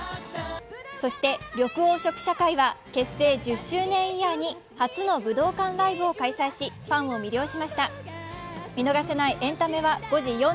そして緑黄色社会は結成１０周年イヤーに初の武道館ライブを開催し、ファンを魅了しました。